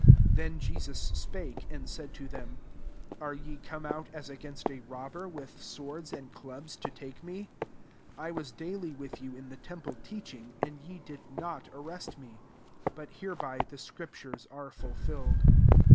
48 Then Jesus spake, and said to them, <<Are ye come out as against a robber, with swords and clubs, to take me ? 49 I was daily with you in the temple teaching, and ye did not arrest me : but hereby the scriptures are fulfilled.''